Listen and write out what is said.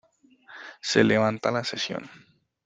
Se levanta la sesión.